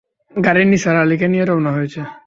গাড়ি নিসার আলিকে নিয়ে রওনা হয়েছে।